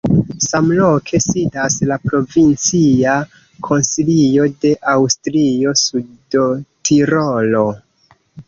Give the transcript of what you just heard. Samloke sidas la provincia konsilio de Aŭstrio-Sudtirolo.